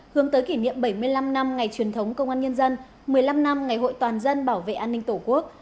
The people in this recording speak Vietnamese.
hướng tới kỷ niệm bảy mươi năm năm ngày truyền thống công an nhân dân một mươi năm năm ngày hội toàn dân bảo vệ an ninh tổ quốc